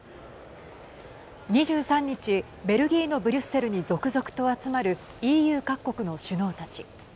２３日、ベルギーのブリュッセルに続々と集まるＥＵ各国の首脳たち。